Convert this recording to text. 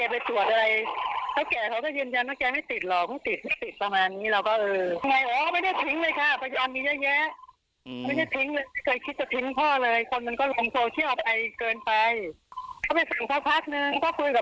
พ่ออยู่ได้น่าอยู่ได้อยู่ได้อะไรประมาณนี้หลวงน้าก็บอกไม่ต้องห่วงหรอก